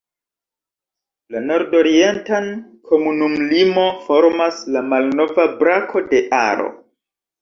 La nordorientan komunumlimo formas la malnova brako de Aro.